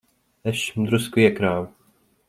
Es šim drusku iekrāvu.